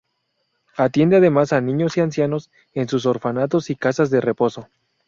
Atienden además a niños y ancianos, en sus orfanatos y casas y de reposo.